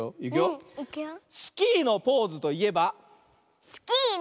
スキーのポーズといえば？